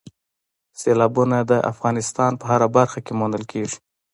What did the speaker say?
سیلابونه د افغانستان په هره برخه کې موندل کېږي.